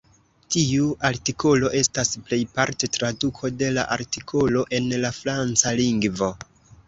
Tiu artikolo estas plejparte traduko de la artikolo en la franca lingvo.